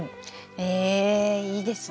えいいですね。